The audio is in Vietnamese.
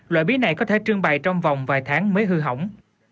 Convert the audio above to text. loại bí này có thể trưng bày trong vòng vài tháng mới hư hỏng